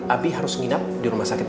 abi harus nginap di rumah sakit